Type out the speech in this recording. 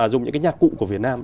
dùng những cái nhạc cụ của việt nam